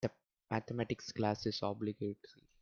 Mathematics class is obligatory.